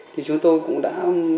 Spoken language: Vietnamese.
thì chúng tôi cũng đã